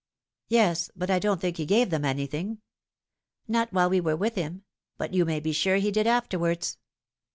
Tlie Time has Come. 217 " Yes, but I don't think he gave them anything." " Not while we were with him ; but you may be sure he did afterwards."